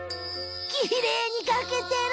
きれいに描けてる！